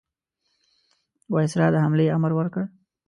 وایسرا د حملې امر ورکړ.